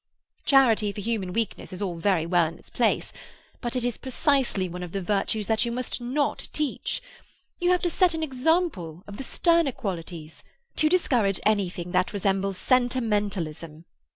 Charity for human weakness is all very well in its place, but it is precisely one of the virtues that you must not teach. You have to set an example of the sterner qualities—to discourage anything that resembles sentimentalism.